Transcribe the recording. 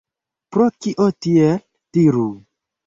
Pro kio tiel, diru?